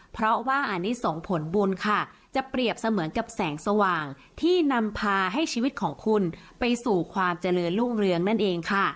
เพราะว่าอันนี้ส่งผลบุญค่ะจะเปรียบเสมือนกับแสงสว่างที่นำพาให้ชีวิตของคุณไปสู่ความเจริญรุ่งเรืองนั่นเองค่ะ